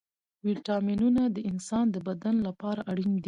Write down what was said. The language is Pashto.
ويټامينونه د انسان د بدن لپاره اړين دي.